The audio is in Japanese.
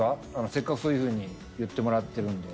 せっかくそういうふうに言ってもらってるんで。